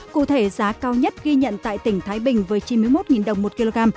cụ thể giá cao nhất ghi nhận tại tỉnh thái bình với chín mươi một đồng một kg